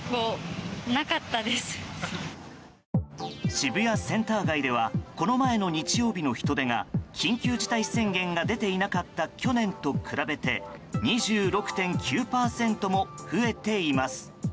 渋谷センター街ではこの前の日曜日の人出が緊急事態宣言が出ていなかった去年と比べて２６．９％も増えています。